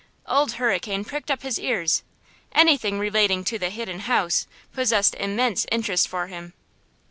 Old Hurricane pricked up his ears! Anything relating to the "Hidden House" possessed immense interest for him.